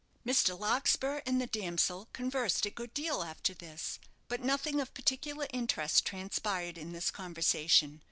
Mr. Larkspur and the damsel conversed a good deal after this; but nothing of particular interest transpired in this conversation.